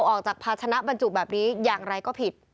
ออกจากภาชนะบรรจุแบบนี้อย่างไรก็ผิด